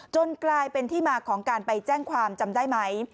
กลายเป็นที่มาของการไปแจ้งความจำได้ไหม